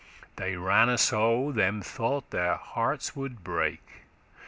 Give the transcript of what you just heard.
They ranne so, them thought their hearts would break.